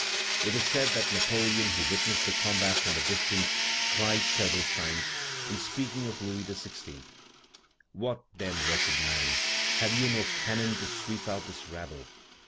It is said that Napoleon, who witnessed the combat from a distance, cried several times, in speaking of Louis XVI.: "What, then, wretched man! Have you no cannon to sweep out this rabble?"